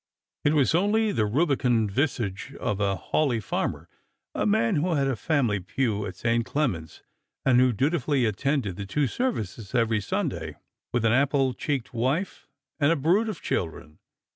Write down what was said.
It was only the rubicund visage of a Hawleigh farmer, a man who had a family pew at St. Clement's, and who dutifully attended the two ser vices every Sunday, with an apple cheeked wife and a brood of children.